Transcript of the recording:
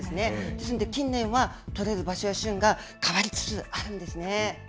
ですので近年は、取れる場所や旬が変わりつつあるんですね。